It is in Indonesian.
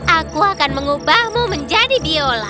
aku akan mengubahmu menjadi biola